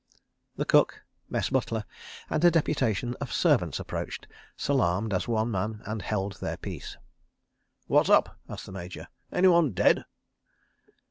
..." The cook, Mess butler, and a deputation of servants approached, salaamed as one man, and held their peace. "What's up?" asked the Major. "Anyone dead?"